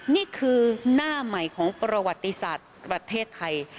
นี่คือหน้าใหม่ของประวัติศาสตร์ประเทศไทย